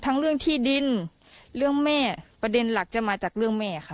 เรื่องที่ดินเรื่องแม่ประเด็นหลักจะมาจากเรื่องแม่ค่ะ